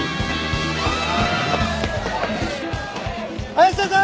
林田さん！